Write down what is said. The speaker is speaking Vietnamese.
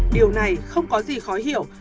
điều này không có gì khó hiểu